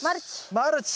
マルチ。